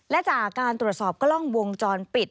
และจากการตรวจสอบกล้องวงจรปิด